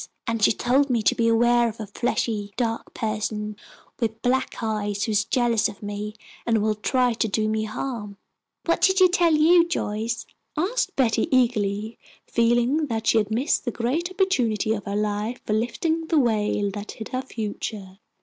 And she told me to beware of a fleshy, dark person with black eyes, who is jealous of me and will try to do me harm." "What did she tell you, Joyce?" asked Betty, eagerly, feeling that she had missed the great opportunity of her life for lifting the veil that hid her future.